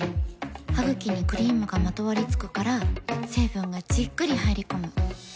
ハグキにクリームがまとわりつくから成分がじっくり入り込む。